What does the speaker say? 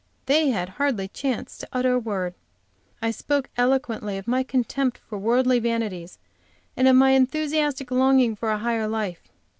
They had hardly a chance to utter a word. I spoke eloquently of my contempt for worldly vanities, and of my enthusiastic longings for a higher life.